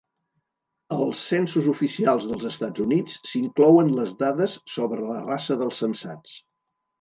Als censos oficials dels Estats Units s'inclouen les dades sobre la raça dels censats.